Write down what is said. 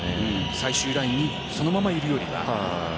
最終ラインにそのままいるよりは。